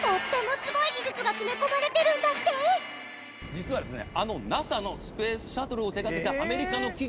実はですね